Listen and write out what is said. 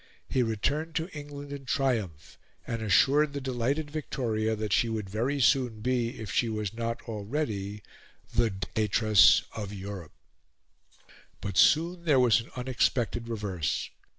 He returned to England in triumph, and assured the delighted Victoria that she would very soon be, if she was not already, the "Dictatress of Europe." But soon there was an unexpected reverse.